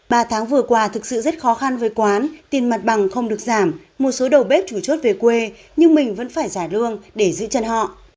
ba tháng vừa qua thực sự rất khó khăn với quán tiền mặt bằng không được giảm một số đầu bếp chủ chốt về quê nhưng mình vẫn phải trả lương để giữ chân họ